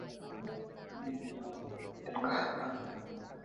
আজ এক বিচ্ছরের ওপর হয়ে গ্যালো, আজ দেবো কাল দেবো।